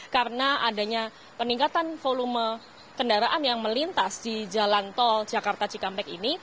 karena adanya peningkatan volume kendaraan yang melintas di jalan tol jakarta cikampek ini